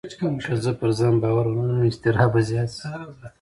که زه پر ځان باور ونه لرم، اضطراب به زیات شي.